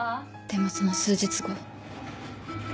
でもその数日後。